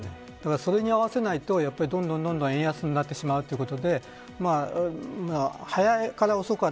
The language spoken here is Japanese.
それに合わせないとどんどん円安になるということで早かれ遅かれ